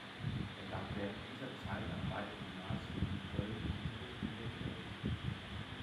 Er gab während dieser Zeit an beiden Gymnasien in Köln Unterricht in Hebräisch.